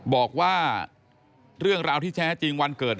บอกว่าเรื่องราวที่แท้จริงวันเกิด